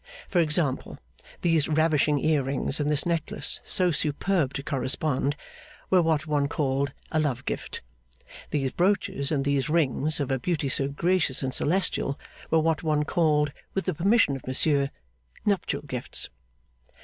For example, these ravishing ear rings and this necklace so superb to correspond, were what one called a love gift. These brooches and these rings, of a beauty so gracious and celestial, were what one called, with the permission of Monsieur, nuptial gifts.